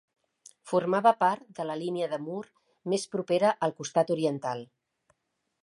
Formava part de la línia de mur més propera al costat oriental.